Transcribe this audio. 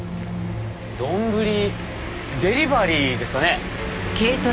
丼デリバリーですかね？